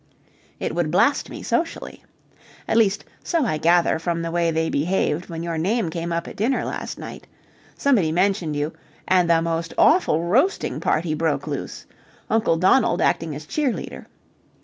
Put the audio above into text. It would blast me socially. At least, so I gather from the way they behaved when your name came up at dinner last night. Somebody mentioned you, and the most awful roasting party broke loose. Uncle Donald acting as cheer leader.